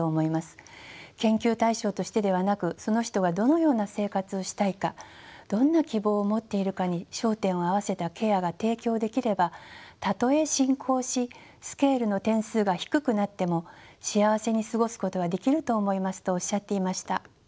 研究対象としてではなくその人がどのような生活をしたいかどんな希望を持っているかに焦点を合わせたケアが提供できればたとえ進行しスケールの点数が低くなっても幸せに過ごすことはできると思いますとおっしゃっていました。